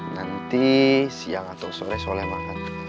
nanti siang atau sore sore makan